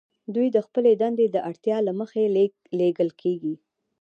دوی د خپلې دندې د اړتیا له مخې لیږل کیږي